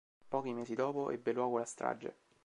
Pochi mesi dopo ebbe luogo la strage.